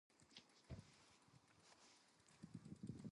But Lantz had affiliated with United Artists at this time.